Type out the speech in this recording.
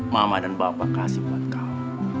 mama dan bapak kasih buat kamu